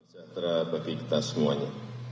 sejahtera bagi kita semuanya